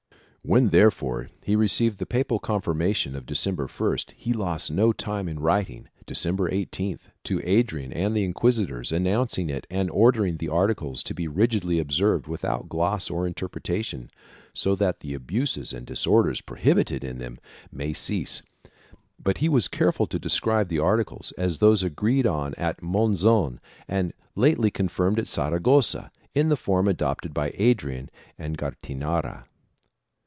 When, therefore, he received the papal confirmation of December 1st he lost no time in writing, December 18th, to Adrian and the inquisitors announcing it and ordering the articles to be rigidly observed without gloss or inter pretation, so that the abuses and disorders prohibited in them may cease, but he was careful to describe the articles as those agreed upon at Monzon and lately confirmed at Saragossa in the form adopted by Adrian and Gattinara.